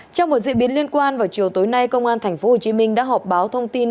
trong một diễn biến liên quan vào chiều tối nay công an tp hcm đã họp báo thông tin